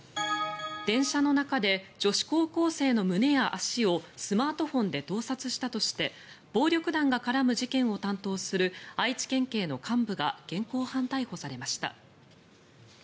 電車の中で女子高校生の胸や足をスマートフォンで盗撮したとして暴力団が絡む事件を担当する愛知県警の幹部が現行犯逮捕されました。